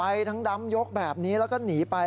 ทั้งดำยกแบบนี้แล้วก็หนีไป